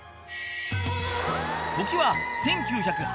時は１９８１年